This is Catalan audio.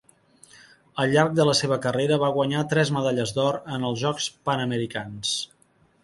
Al llarg de la seva carrera va guanyar tres medalles d'or en els Jocs Panamericans.